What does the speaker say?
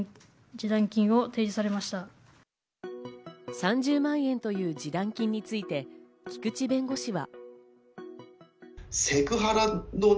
３０万円という示談金について菊地弁護士は。